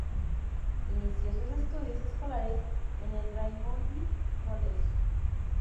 Inicio sus estudios escolares en el "Raimondi College".